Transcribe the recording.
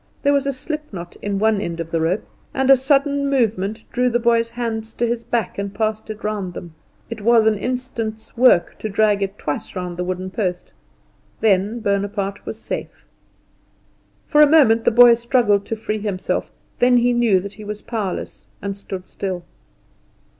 There was a slipknot in one end of the rope, and a sudden movement drew the boy's hands to his back and passed it round them. It was an instant's work to drag it twice round the wooden post: then Bonaparte was safe. For a moment the boy struggled to free himself; then he knew that he was powerless, and stood still.